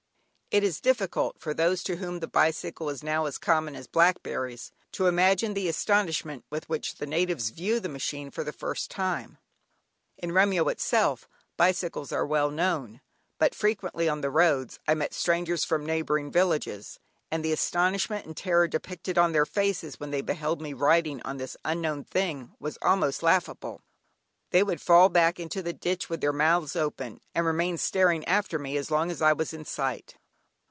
It is difficult, for those to whom the bicycle is now as common as blackberries, to imagine the astonishment with which the natives view the machine for the first time. In Remyo itself bicycles were well known, but frequently on the roads I met strangers from neighbouring villages, and the astonishment and terror depicted on their faces when they beheld me riding on this unknown thing was almost laughable. They would fall back into the ditch with their mouths open, and remain staring after me as long as I was in sight.